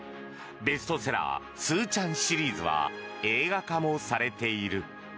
ベストセラー「すーちゃん」シリーズは映画化もされている。